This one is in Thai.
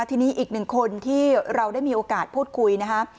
ทีนี้อีกหนึ่งคนที่เราได้มีโอกาสพูดคุยนะคะ